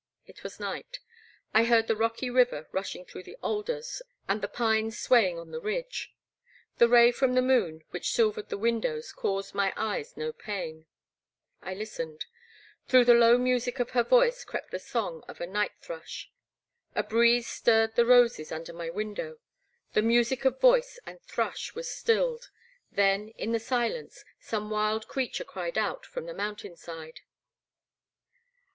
It was night. I heard the rocky river rushing through the alders and the pines swaying on the ridge. The ray from the moon which sil vered the windows caused my eyes no pain. The Black Water. 147 I listened. Through the low music of her voice crept the song of a night thrush. A breeze stirred the roses under my window; the music of voice and thrush was stilled. Then, in the silence, some wild creature cried out from the mountain side.